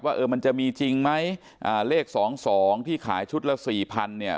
เออมันจะมีจริงไหมอ่าเลขสองสองที่ขายชุดละสี่พันเนี่ย